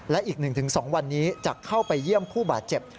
และอีก๑๒วันนี้จะเข้าไปเยี่ยมผู้บาดเจ็บ